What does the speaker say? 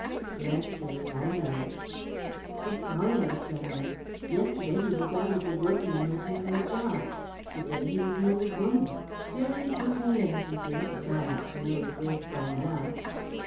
M Yes, Billy, I know*" * J He's fallowing someone. Yesterday he was out as a workman looking for a job. To¬ day he was an old woman. Fairly took me ‚Äė in, he did, and I ought to know his ways by now."